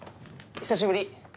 久しぶり。